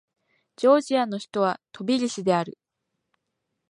ジョージアの首都はトビリシである